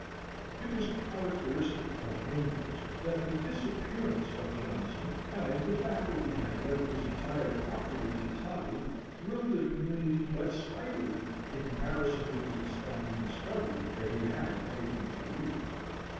It was characteristic of Angel's that the disappearance of Johnson, and the fact that he had left his entire property to Tommy, thrilled the community but slightly in comparison with the astounding discovery that he had anything to leave.